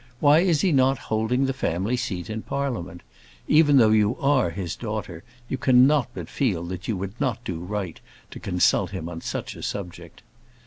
Why is he not holding the family seat in Parliament? Even though you are his daughter, you cannot but feel that you would not do right to consult him on such a subject.